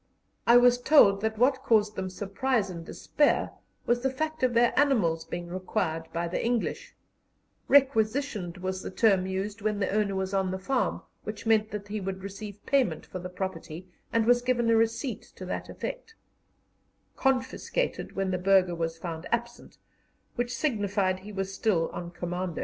I was told that what caused them surprise and despair was the fact of their animals being required by the English: "requisitioned" was the term used when the owner was on his farm, which meant that he would receive payment for the property, and was given a receipt to that effect; "confiscated," when the burgher was found absent, which signified he was still on commando.